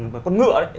mà con ngựa